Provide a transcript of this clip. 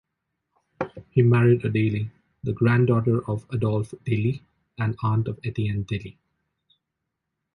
He married a Daily, the granddaughter of Adolphe Dailly and aunt of Etienne Dailly.